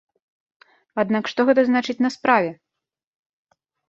Аднак што гэта значыць на справе?